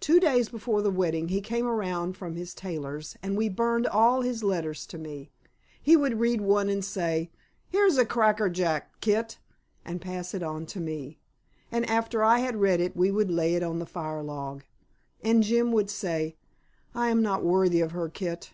Two days before the wedding he came around from his tailor's, and we burned all his letters to me. He would read one and say: "Here's a crackerjack, Kit," and pass it to me. And after I had read it we would lay it on the firelog, and Jim would say, "I am not worthy of her, Kit.